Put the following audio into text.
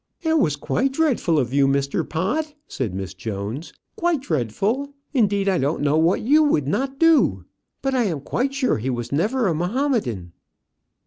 "It was quite dreadful of you, Mr. Pott," said Miss Jones; "quite dreadful! Indeed, I don't know what you would not do. But I am quite sure he was never a Mahomedan."